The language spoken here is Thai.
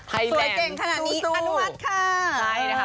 สวยเก่งขนาดนี้อนุมัติค่ะ